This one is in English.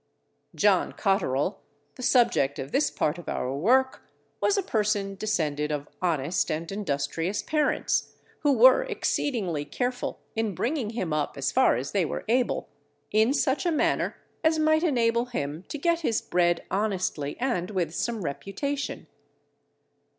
John Cotterell, the subject of this part of our work, was a person descended of honest and industrious parents, who were exceedingly careful in bringing him up as far as they were able, in such a manner as might enable him to get his bread honestly and with some reputation.